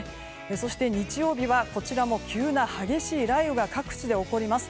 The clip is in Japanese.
そして、日曜日はこちらも急な激しい雷雨が各地で起こります。